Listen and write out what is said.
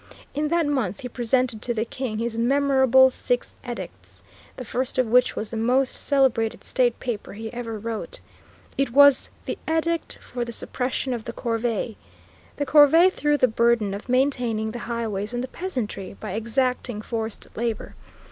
In that month he presented to the King his memorable Six Edicts, the first of which was the most celebrated state paper he ever wrote. It was the Edict for the Suppression of the Corvée. The corvée threw the burden of maintaining the highways on the peasantry by exacting forced labor.